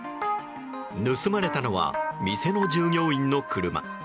盗まれたのは店の従業員の車。